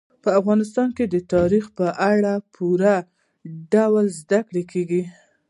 په افغانستان کې د تاریخ په اړه په پوره ډول زده کړه کېږي.